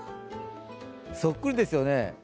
そっくりですよね。